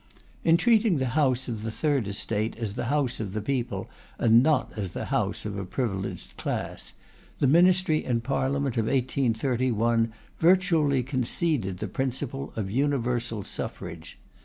In treating the House of the Third Estate as the House of the People, and not as the House of a privileged class, the Ministry and Parliament of 1831 virtually conceded the principle of Universal Suffrage.